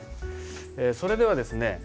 それではですね